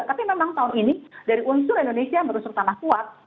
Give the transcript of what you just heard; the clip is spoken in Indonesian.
tapi memang tahun ini dari unsur indonesia merusak tanah kuat